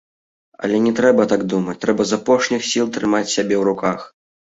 Але не трэба так думаць, трэба з апошніх сіл трымаць сябе ў руках.